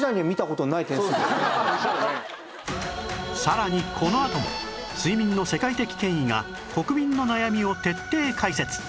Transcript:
さらにこのあとも睡眠の世界的権威が国民の悩みを徹底解説